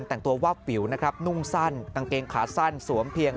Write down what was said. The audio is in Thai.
แต่งตัววาบวิวนะครับนุ่งสั้นกางเกงขาสั้นสวมเพียง